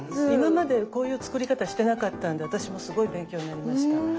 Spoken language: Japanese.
今までこういう作り方してなかったので私もすごい勉強になりました。